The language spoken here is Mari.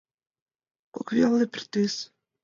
Кок велне — пӱртӱс.